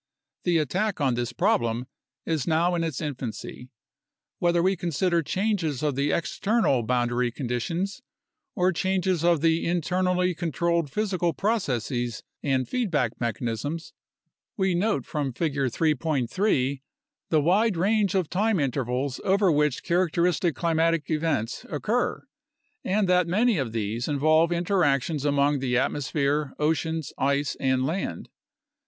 The attack on this problem is now in its infancy. Whether we consider changes of the external boundary con ditions or changes of the internally controlled physical processes and feedback mechanisms, we note from Figure 3.3 the wide range of time PHYSICAL BASIS OF CLIMATE AND CLIMATIC CHANGE 29 intervals over which characteristic climatic events occur and that many of these involve interactions among the atmosphere, oceans, ice, and land.